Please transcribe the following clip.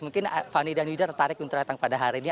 mungkin fani dan yuda tertarik untuk datang pada hari ini